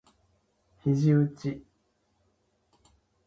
肘うち